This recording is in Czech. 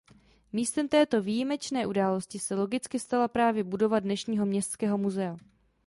Místem této výjimečné události se logicky stala právě budova dnešního městského muzea.